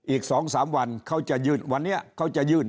อีกสองสามวันเขาจะยืนวันนี้เขาจะยืน